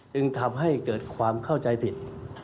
จึงทำให้เกิดความเข้าใจผิด